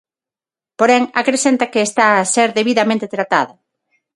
Porén, acrecenta que está a ser debidamente tratada.